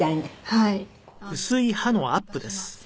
はい。